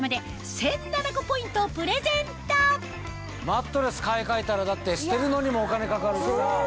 マットレス買い替えたら捨てるのにもお金かかるしさ。